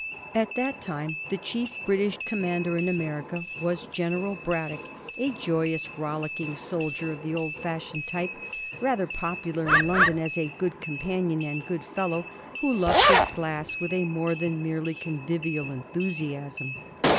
At that time the chief British commander in America was General Braddock, a joyous, rollicking soldier of the old fashioned type, rather popular in London as a good companion and good fellow, who loved his glass with a more than merely con vivial enthusiasm.